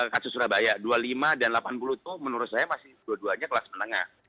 kasus surabaya dua puluh lima dan delapan puluh itu menurut saya masih dua duanya kelas menengah